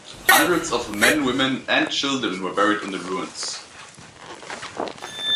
Hundreds of men, women, and children were buried in the ruins.